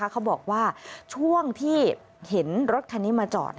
เขาบอกว่าช่วงที่เห็นรถคันนี้มาจอด